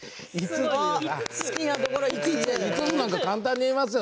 ５つ５つなんて簡単に言えますよ